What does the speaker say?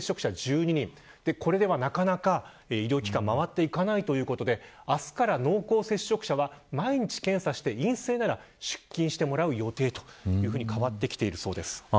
これでは、なかなか医療機関が回っていかないということで明日から濃厚接触者は毎日検査して陰性なら、出勤してもらう予定と変わってきているそうです。